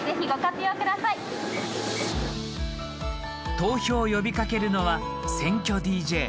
投票を呼びかけるのは選挙ＤＪ。